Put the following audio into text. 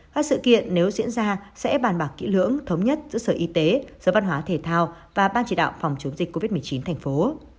các sự kiện nếu diễn ra sẽ bàn bạc kỹ lưỡng thống nhất giữa sở y tế sở văn hóa thể thao và ban chỉ đạo phòng chống dịch covid một mươi chín thành phố